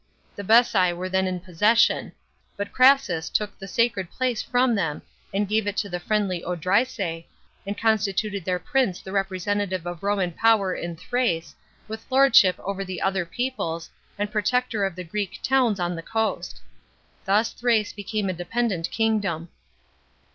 The B ssi were then in possession ; but Crassus took the sacred plac^ from them and gave it to the friendly Odrysaa, and constituted their prince the representative of Roman power in Thrace, with lordship over the other peoples, and protector of the Greek towns on the coast. Thus Thrace became a depen dent kingdom.